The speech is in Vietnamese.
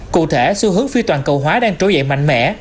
cụ thể xu hướng phi toàn cầu hóa đang trỗi dậy mạnh mẽ